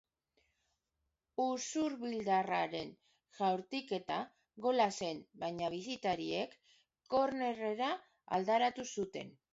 Usurbildarraren jaurtiketa gola zen, baina bisitariek kornerrera aldaratu zuten.